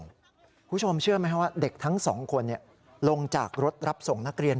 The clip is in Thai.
คุณผู้ชมเชื่อไหมครับว่าเด็กทั้งสองคนลงจากรถรับส่งนักเรียน